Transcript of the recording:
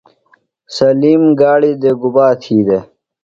سالم گاڑیۡ دےۡ گُبا تھی دےۡ؟